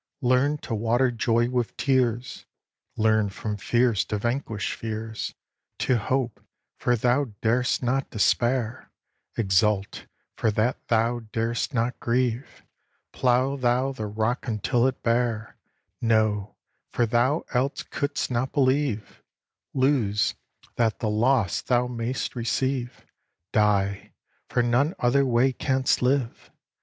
Learn to water joy with tears, Learn from fears to vanquish fears; To hope, for thou dar'st not despair, Exult, for that thou dar'st not grieve; Plough thou the rock until it bear; Know, for thou else couldst not believe; Lose, that the lost thou may'st receive; Die, for none other way canst live.